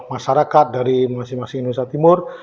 masyarakat dari masing masing indonesia timur